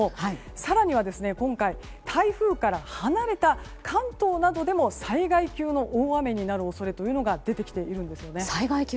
更には今回台風から離れた関東などでも災害級の大雨になる恐れも出てきているんですよね。